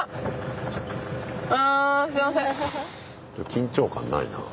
緊張感ないなあ。